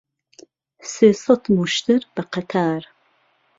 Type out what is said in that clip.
سێ سەت وشتر به قهتار